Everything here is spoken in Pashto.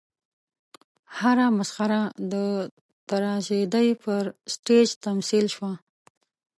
هره مسخره د تراژیدۍ پر سټېج تمثیل شوه.